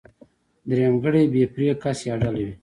درېمګړی بې پرې کس يا ډله وي.